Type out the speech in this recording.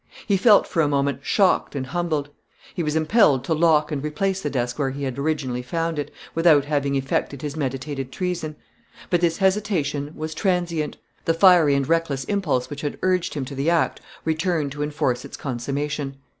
He felt for a moment shocked and humbled. He was impelled to lock and replace the desk where he had originally found it, without having effected his meditated treason; but this hesitation was transient; the fiery and reckless impulse which had urged him to the act returned to enforce its consummation.